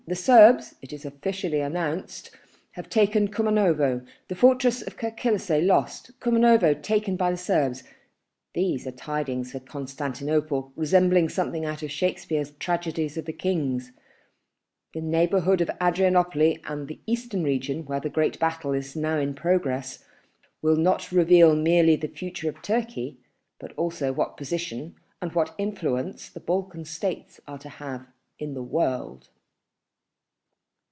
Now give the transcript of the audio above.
. The Serbs, it is officially announced, have taken Kumanovo ... The fortress of Kirk Kilisseh lost, Kumanovo taken by the Serbs, these are tiding for Constantinople resembling something out of Shakspeare's tragedies of the kings ... The neighbourhood of Adrianople and the Eastern region, where the great battle is now in progress, will not reveal merely the future of Turkey, but also what position and what influence the Balkan States are to have in the world."